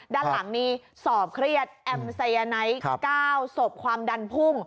ด้านหลังนี้สอบเครียดแอมไซยาไนท์๙ศพความดันพุ่ง